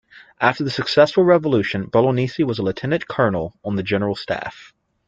After the successful revolution, Bolognesi was a Lieutenant Colonel on the General Staff.